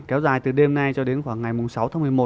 kéo dài từ đêm nay cho đến khoảng ngày sáu tháng một mươi một